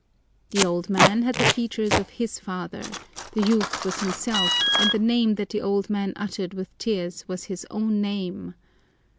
The old man had the features of his father, the youth was himself, and the name that the old man uttered with tears was his own name!